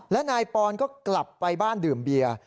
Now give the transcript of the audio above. และนายปอนก็กลับไปบ้านดื่มเบียร์